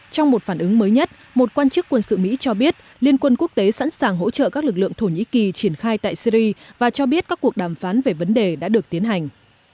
trong một phản ứng mới nhất một quan chức quân sự mỹ cho biết liên quân quốc tế sẵn sàng hỗ trợ các lực lượng thổ nhĩ kỳ triển khai tại syri và cho biết các cuộc đàm phán về vấn đề đã được tiến hành